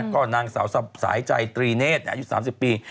ก็นางสาวสายใจตรีเนธอายุ๓๐ปี